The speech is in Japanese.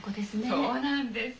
そうなんです。